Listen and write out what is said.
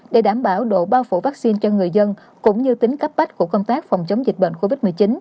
để đảm bảo độ bao phủ vaccine cho người dân cũng như tính cấp bách của công tác phòng chống dịch bệnh covid một mươi chín